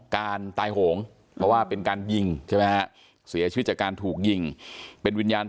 การตายโหงเพราะว่าเป็นการยิงใช่ไหมฮะเสียชีวิตจากการถูกยิงเป็นวิญญาณ